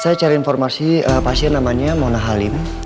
saya cari informasi pasien namanya mona halim